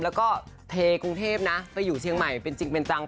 แล้วก็เทกรุงเทพนะไปอยู่เชียงใหม่เป็นจริงเป็นจัง